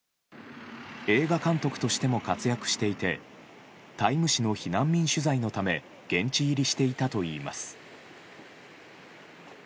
映画監督としても活躍していて「タイム」誌の避難民取材のため現地入りしていたといいます。